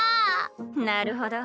なるほど。